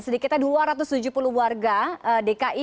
sedikitnya dua ratus tujuh puluh warga dki